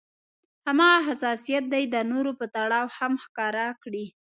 هماغه حساسيت دې د نورو په تړاو هم ښکاره کړي.